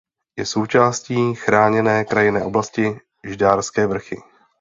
Je součástí Chráněné krajinné oblasti Žďárské vrchy.